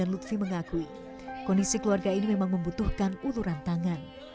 lutfi mengaku bahwa penghasilan ini membutuhkan uluran tangan